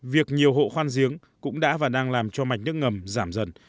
việc nhiều hộ khoan giếng cũng đã và đang làm cho mạch nước ngầm giảm dần